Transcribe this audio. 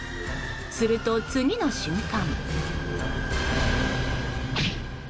すると、次の瞬間。